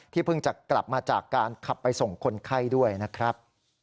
เพิ่งจะกลับมาจากการขับไปส่งคนไข้ด้วยนะครับ